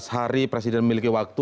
empat belas hari presiden memiliki waktu